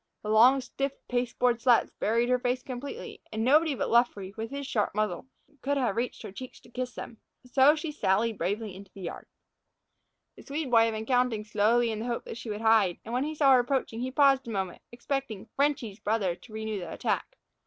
The long, stiff pasteboard slats buried her face completely, and nobody but Luffree, with his sharp muzzle, could have reached her cheeks to kiss them. So she sallied bravely into the yard. The Swede boy had been counting slowly in the hope that she would hide, and when he saw her approaching he paused a moment, expecting "Frenchy's" brother to renew the attack.